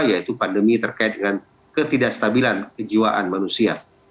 yaitu pandemi terkait dengan ketidakstabilan kejiwaan manusia